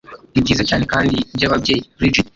nibyiza cyane kandi byababyeyi brigid